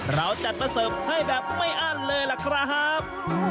เราจัดมาเสิร์ฟให้แบบไม่อั้นเลยล่ะครับ